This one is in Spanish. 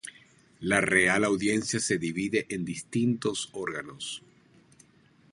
La Real Audiencia se divide en distintos órganos.